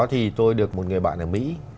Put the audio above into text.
thì tôi được một người bạn ở mỹ